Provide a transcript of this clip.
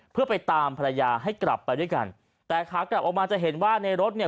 เพื่อไปตามภรรยาให้กลับไปด้วยกันแต่ขากลับออกมาจะเห็นว่าในรถเนี่ย